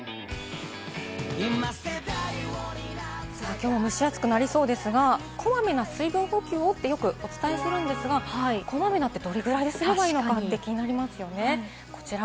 きょうも蒸し暑くなりそうですが、こまめな水分補給をとよくお伝えするんですが、こまめなってどれぐらいですかって気になりますよね。